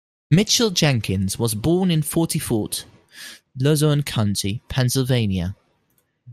Mitchell Jenkins was born in Forty Fort, Luzerne County, Pennsylvania.